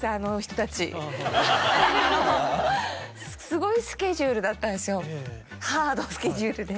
すごいスケジュールだったんですよ。